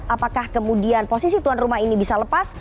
apakah kemudian posisi tuan rumah ini bisa lepas